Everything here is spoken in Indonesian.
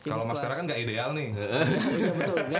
kalau mas tera kan nggak ideal nih